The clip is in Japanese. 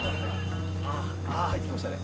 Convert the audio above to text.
入ってきましたね。